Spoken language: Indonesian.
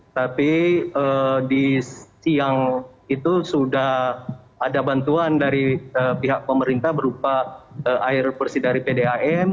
tapi di siang itu sudah ada bantuan dari pihak pemerintah berupa air bersih dari pdam